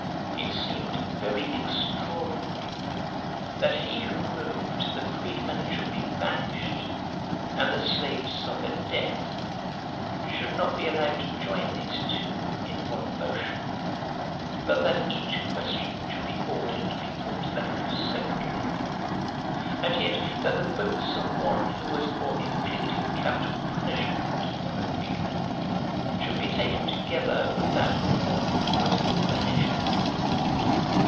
It seemed very extraordinary that he who moved the freedmen should be banished, and the slaves suffer death, should not be allowed to join these two in one motion, but that each question should be ordered to be put to the house separately; and yet that the votes of one who was for inflicting capital punishment upon the freedmen should be taken together with that of one who was for banishing them.